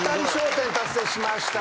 １０達成しました。